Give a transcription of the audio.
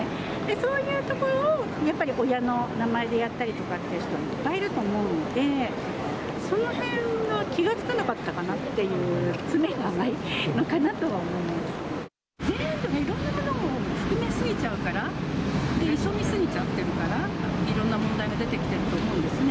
そういうところを、やっぱり親の名前でやったりとかっていう人も、いっぱいいると思うんで、そのへんが気が付かなかったのかなっていう、詰めが甘いのかなと全部いろんなものを含め過ぎちゃうから、急ぎ過ぎちゃってるから、いろんな問題が出てきてると思うんですね。